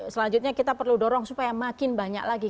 selanjutnya kita perlu dorong supaya makin banyak lagi